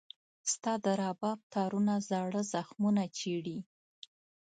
ستا د رباب تارونه زاړه زخمونه چېړي.